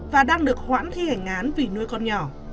và đang được hoãn thi hành án vì nuôi con nhỏ